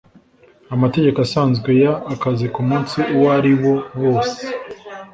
amategeko asanzwe y akazi ku munsi uwo ari wo wose